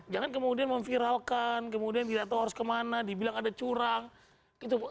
jangan kemudian memviralkan kemudian tidak tahu harus kemana dibilang ada curang gitu